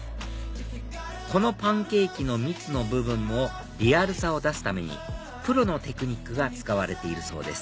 この『Ｐａｎｃａｋｅ』の蜜の部分もリアルさを出すためにプロのテクニックが使われているそうです